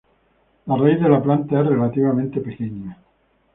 La raíz de la planta es relativamente pequeña.